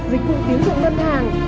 dịch vụ tiến dụng ngân hàng